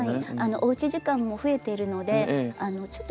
おうち時間も増えているのでちょっと